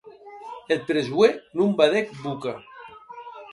Eth presoèr non badec boca.